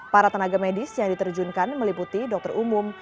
para tenaga medis yang diterjunkan meliputi dokter umum